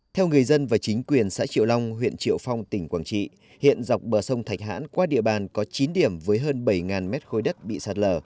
theo người dân và chính quyền xã triệu long huyện triệu phong tỉnh quảng trị hiện dọc bờ sông thạch hãn qua địa bàn có chín điểm với hơn bảy mét khối đất bị sạt lở